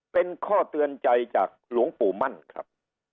เป็นข้อเตือนใจจากหลวงปู่มั่นครับ